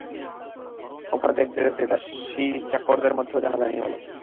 অবস্থাটা দেখতে দেখতে দাসীচাকরদের মধ্যেও জানাজানি হল।